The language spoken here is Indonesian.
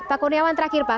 pak kurniawan terakhir pak